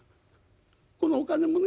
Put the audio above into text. このお金もね